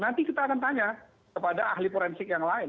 nanti kita akan tanya kepada ahli forensik yang lain